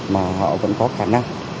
mà họ vẫn có khả năng